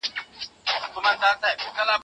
اتفاق تل قوت زېږوي